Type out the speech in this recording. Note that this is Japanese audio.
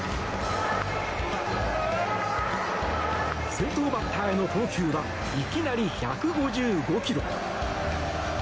先頭バッターへの投球はいきなり１５５キロ。